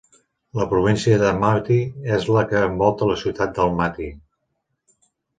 La província d'Almati és la que envolta la ciutat d'Almati.